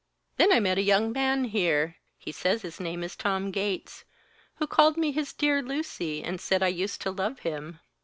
"Then I met a young man here he says his name is Tom Gates who called me his dear Lucy, and said I used to love him.